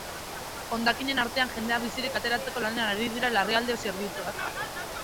Hondakinen artean jendea bizirik ateratzeko lanean ari dira larrialdi zerbitzuak.